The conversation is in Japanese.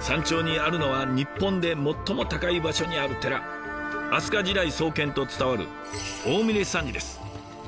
山頂にあるのは日本で最も高い場所にある寺飛鳥時代創建と伝わる大峯山寺です。